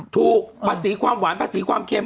ภาษีความหวานภาษีความเค็ม